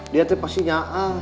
dia tuh pasti nge ah